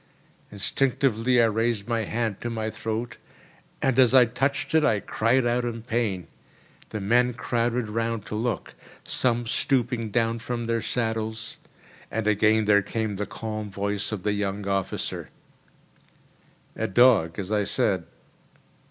Instinctively I raised my hand to my throat, and as I touched it I cried out in pain. The men crowded round to look, some stooping down from their saddles; and again there came the calm voice of the young officer: "A dog, as I said.